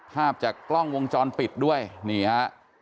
ภาพจากกล้องวงจรปิดด้วยนี่ฮะ